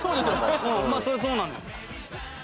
まあそりゃそうなのよ。